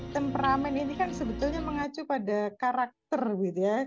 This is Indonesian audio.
temperamen ini kan sebetulnya mengacu pada karakter gitu ya